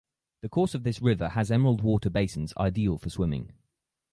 The course of this river has emerald water basins ideal for swimming.